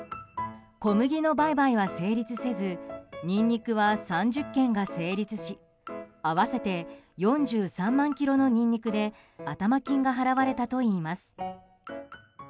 小麦の売買は成立せずニンニクは３０件が成立し合わせて４３万ｋｇのニンニクで頭金が払われたといいます。